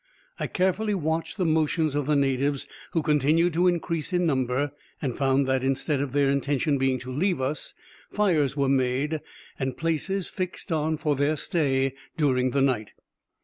I carefully watched the motions of the natives, who continued to increase in number; and found that, instead of their intention being to leave us, fires were made, and places fixed on for their stay during the night.